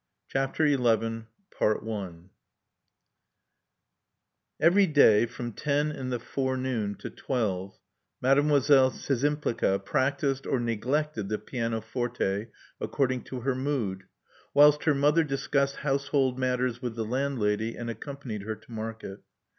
CHAPTER XI Every day, from ten in the forenoon to twelve, Mademoiselle Szczympliga practised or neglected the pianoforte, according to her mood, whilst her mother discussed household matters with the landlady, and accompanied her to market.